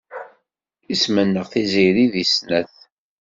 Isem-nneɣ Tiziri deg snat.